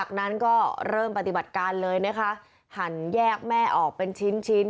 ก็เริ่มปฏิบัติการเลยนะคะหันแยกแม่ออกเป็นชิ้น